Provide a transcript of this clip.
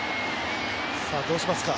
さあ、どうしますか。